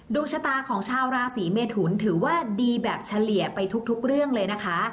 ดวงชะตาของชาวราศีเมทุนถือว่าดีแบบเฉลี่ยไปทุกเรื่องเลยนะคะ